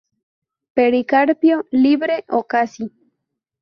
Pericarpio libre o casi.